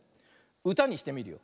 うたにしてみるよ。